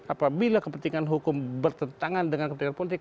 apabila kepentingan hukum bertentangan dengan kepentingan politik